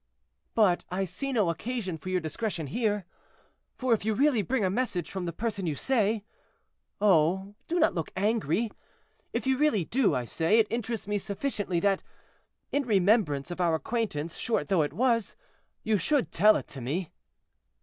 "But I see no occasion for your discretion here; for, if you really bring a message from the person you say—Oh! do not look angry; if you really do, I say, it interests me sufficiently that, in remembrance of our acquaintance, short though it was, you should tell it to me."